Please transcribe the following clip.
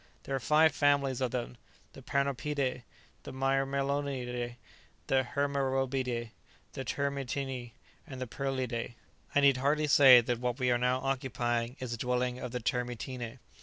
There are five families of them; the Panorpide, the Myrmellonide, the Hemerobiide, the Termitine, and the Perlide. I need hardly say that what we are now occupying is a dwelling of the Termitine."